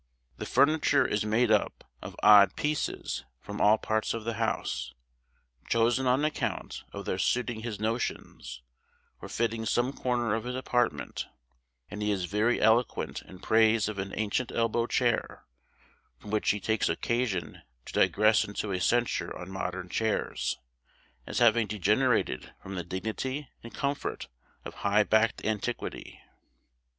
The furniture is made up of odd pieces from all parts of the house, chosen on account of their suiting his notions, or fitting some corner of his apartment; and he is very eloquent in praise of an ancient elbow chair, from which he takes occasion to digress into a censure on modern chairs, as having degenerated from the dignity and comfort of high backed antiquity.